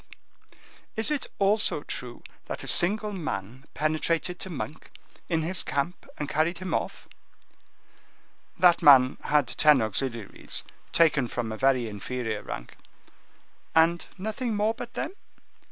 "Is it also true that a single man penetrated to Monk, in his camp, and carried him off?" "That man had ten auxiliaries, taken from a very inferior rank." "And nothing more but them?"